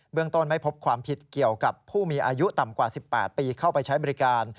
ต้นไม่พบความผิดเกี่ยวกับผู้มีอายุต่ำกว่า๑๘ปีเข้าไปใช้บริการ